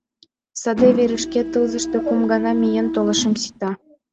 Саде верышкет тылзыште кум гана миен толашем сита.